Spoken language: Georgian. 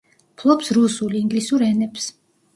ფლობს რუსულ, ინგლისურ ენებს.